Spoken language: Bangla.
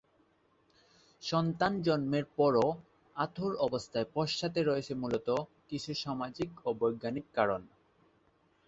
সন্তান জন্মের পর এ অাঁতুড় ব্যবস্থার পশ্চাতে রয়েছে মূলত কিছু সামাজিক ও বৈজ্ঞানিক কারণ।